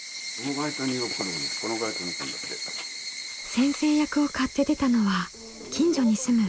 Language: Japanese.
先生役を買って出たのは近所に住む金森さん。